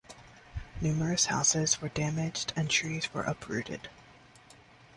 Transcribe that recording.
Numerous houses were damaged and trees were uprooted.